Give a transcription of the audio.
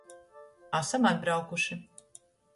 Asam atbraukuši.